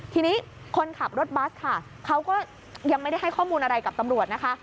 ทีนี้คนขับรถบัสค่ะเขาก็ยังไม่ได้ให้ข้อมูลอะไรกับตำรวจนะคะ